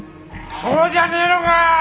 そうじゃねえのか！